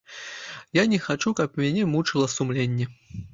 Я не хачу, каб мяне мучыла сумленне.